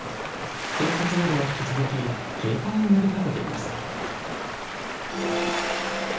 警察などは引き続き警戒を呼びかけています。